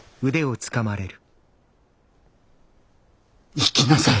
生きなさい。